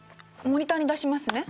モニターに出しますね。